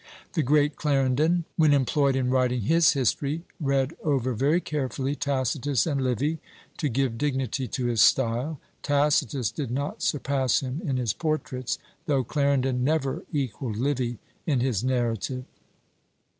The great Clarendon, when employed in writing his history, read over very carefully Tacitus and Livy, to give dignity to his style; Tacitus did not surpass him in his portraits, though Clarendon never equalled Livy in his narrative.